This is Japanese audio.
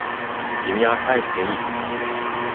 君は帰っていい。